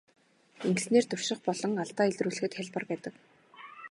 Ингэснээр турших болон алдаа илрүүлэхэд хялбар байдаг.